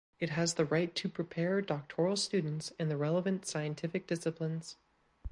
It has the right to prepare doctoral students in the relevant scientific disciplines.